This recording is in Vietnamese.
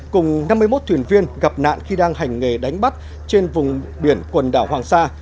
cùng năm mươi một thuyền viên gặp nạn khi đang hành nghề đánh bắt trên vùng biển quần đảo hoàng sa